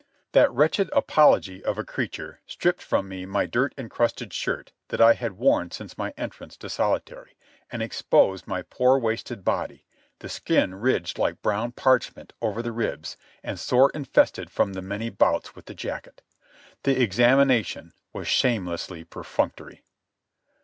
That wretched apology of a creature stripped from me my dirt encrusted shirt that I had worn since my entrance to solitary, and exposed my poor wasted body, the skin ridged like brown parchment over the ribs and sore infested from the many bouts with the jacket. The examination was shamelessly perfunctory.